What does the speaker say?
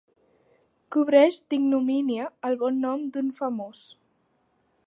Cobreix d'ignomínia el bon nom d'un famós.